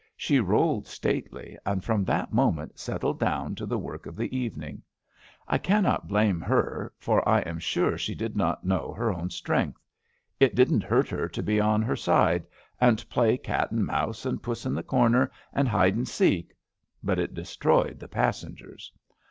She rolled stately, and from that moment settled down to the work of the evening. I cannot blame her, for I am sure she did not know her own strength. It didn't hurt her to be on her side, and play cat and mouse, and puss in the comer, and hide and seek, but it destroyed the passengers.